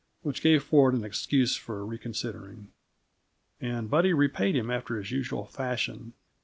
which gave Ford an excuse for reconsidering. And Buddy repaid him after his usual fashion.